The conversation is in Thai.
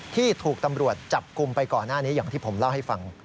ที่ถูกตำรวจจับกลุ่มไปก่อนหน้านี้อย่างที่ผมเล่าให้ฟัง